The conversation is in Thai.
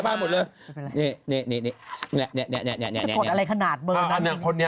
โอเคนู้นว่าเองนุกคนนี้